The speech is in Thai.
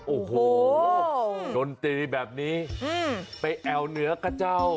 โอ้โหดนตรีแบบนี้ไปแอวเหนือกระเจ้า